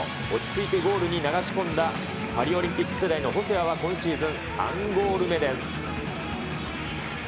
落ち着いてゴールに流し込んだパリオリンピック世代の細谷は今シーズン３ゴール目です。